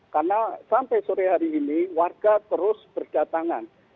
karena sampai sore hari ini warga terus berdatangan